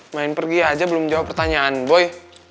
main pergi aja belum jawab pertanyaan boy